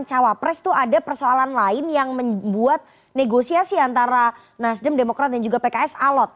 cawapres itu ada persoalan lain yang membuat negosiasi antara nasdem demokrat dan juga pks alot